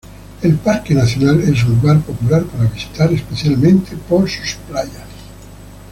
El parque nacional es un lugar popular para visitar, especialmente por sus playas.